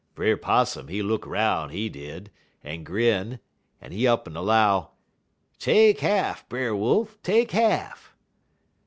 "Brer 'Possum, he look 'roun', he did, en grin, en he up'n 'low: "'Take half, Brer Wolf, take half!'